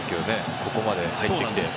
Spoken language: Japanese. ここまで入ってきて。